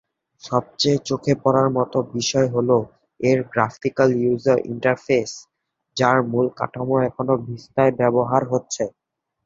সবচেয়ে চোখে পরার মত বিষয় হল এর গ্রাফিক্যাল ইউজার ইন্টারফেস যার মূল কাঠামো এখনো ভিস্তায় ব্যবহৃত হচ্ছে।